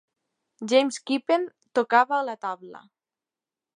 James Kippen tocava la tabla.